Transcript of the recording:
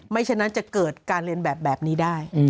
ฉะนั้นจะเกิดการเรียนแบบแบบนี้ได้